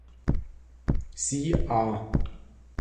Sie a